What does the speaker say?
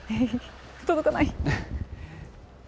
届かない。